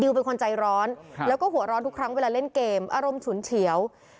เป็นคนใจร้อนแล้วก็หัวร้อนทุกครั้งเวลาเล่นเกมอารมณ์ฉุนเฉียว